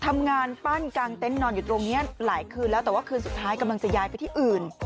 ทำงานปั้นกลางเต็นต์นอนอยู่ตรงนี้หลายคืนแล้วแต่ว่าคืนสุดท้ายกำลังจะย้ายไปที่อื่น